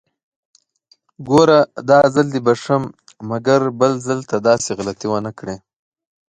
ګوره! داځل دې بښم، مګر بل ځل ته داسې غلطي ونکړې!